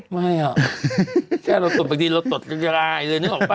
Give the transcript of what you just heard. ไม่อ่ะแค่เราตบบางทีเราตดเป็นรายเลยนึกออกป